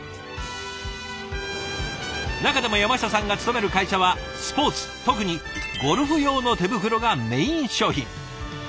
中でも山下さんが勤める会社はスポーツ特にゴルフ用の手袋がメイン商品。